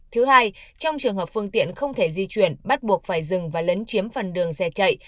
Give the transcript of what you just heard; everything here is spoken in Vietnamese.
thứ hai trong trường hợp phương tiện không thể di chuyển bắt buộc phải dừng và lấn chiếm phần đường xe chạy